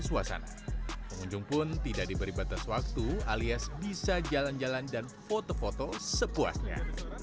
pengunjung pun tidak diberi batas waktu alias bisa jalan jalan dan foto foto sepuasnya